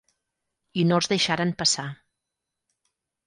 I no els deixaren passar.